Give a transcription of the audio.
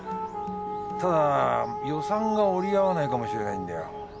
ただ予算が折り合わないかもしれないんだよ。